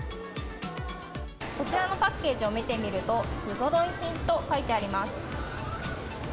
こちらのパッケージを見てみると、ふぞろい品と書いてあります。